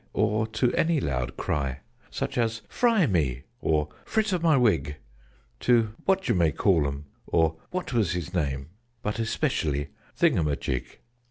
or to any loud cry, Such as "Fry me!" or "Fritter my wig!" To "What you may call um!" or "What was his name!" But especially "Thing um a jig!"